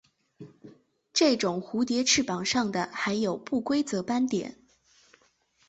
这种蝴蝶翅膀上的还有不规则斑点。